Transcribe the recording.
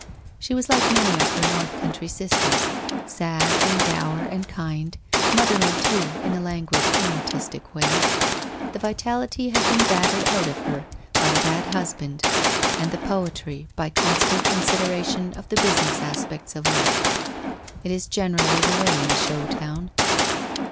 She was like many of her North country sisters, sad and dour and kind, motherly too, in a languid inartistic way. The vitality had been battered out of her by a bad husband, and the poetry by constant consideration of the business aspects of life. It is generally the way in a show town.